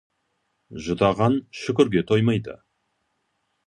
Жұтаған шүкірге тоймайды.